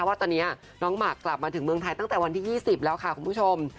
ว่าตอนนี้น้องหมากกลับมาถึงเมืองไทยตั้งแต่วันที่๒๐แล้วค่ะคุณผู้ชม